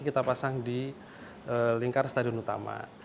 tujuh k kita pasang di lingkar stadion utama